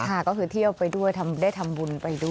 ค่ะก็คือเที่ยวไปด้วยได้ทำบุญไปด้วย